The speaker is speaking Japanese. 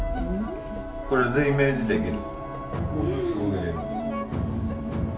これでイメージできる？